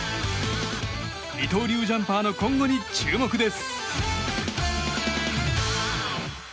二刀流ジャンパーの今後に注目です。